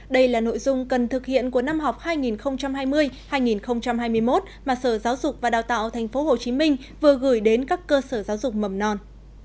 đây là nội dung cần thực hiện của năm học hai nghìn hai mươi hai nghìn hai mươi một mà sở giáo dục và đào tạo tp hcm vừa gửi đến các cơ sở giáo dục mầm non